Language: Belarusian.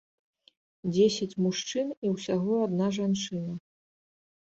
Дзесяць мужчын і ўсяго адна жанчына.